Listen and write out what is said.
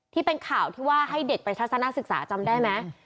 ที่เป็นข่าวที่ว่าให้เด็กไปทัศนศึกษาจำได้ไหม